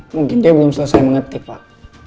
mungkin dia belum selesai mengetik lah